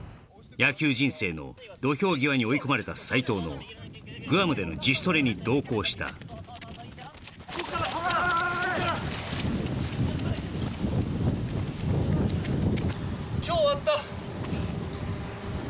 野球人生の土俵際に追い込まれた斎藤のグアムでの自主トレに同行した今日終わった！